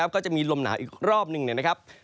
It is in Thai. ก็จะมีลมหนาวอีกรอบหนึ่งนะครับ